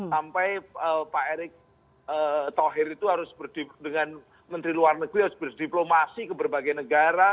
sampai pak erick thohir itu harus dengan menteri luar negeri harus berdiplomasi ke berbagai negara